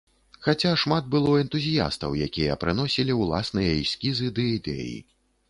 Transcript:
Хаця шмат было энтузіястаў, якія прыносілі ўласныя эскізы ды ідэі.